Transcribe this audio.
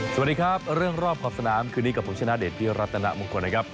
สวัสดีครับเรื่องรอบขอบสนามคืนนี้กับผมชนะเดชพิรัตนมงคลนะครับ